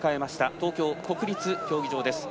東京・国立競技場です。